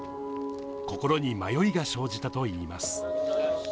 心に迷いが生じたといいます。